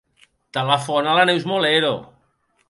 Telefona a la Neus Molero.